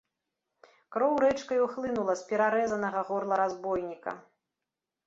Кроў рэчкаю хлынула з перарэзанага горла разбойніка.